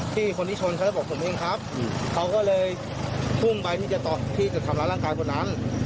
ที่คนที่ชนเค้าบอกผมเองครับเค้าก็เลยพุ่งไปที่จะตอบที่จะทำร้านร่างกายพวกนั้น